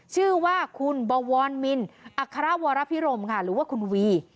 ชื่อว่าคุณบวรมินอัครวรพิรมค่ะหรือว่าคุณวี